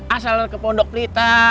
asal ke pondok plita